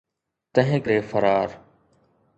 تنهن ڪري فرار.